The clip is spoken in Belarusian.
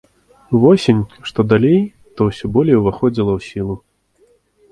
Восень, што далей, то ўсё болей уваходзіла ў сілу.